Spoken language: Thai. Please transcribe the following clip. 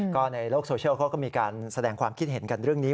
ก็ในโลกโซเชียลเขาก็มีการแสดงความคิดเห็นกันเรื่องนี้